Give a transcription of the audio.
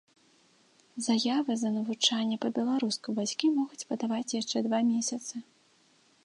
Заявы за навучанне па-беларуску бацькі могуць падаваць яшчэ два месяцы.